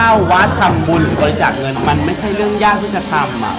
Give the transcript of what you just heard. เข้าวัดทำบุญหรือบริจาคเงินมันไม่ใช่เรื่องยากที่จะทำ